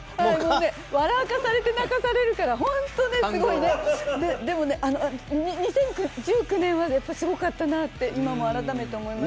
笑わされて、泣かされるから、本当にすごいね、でも２０１９年はすごかったなって、今も改めて思いました。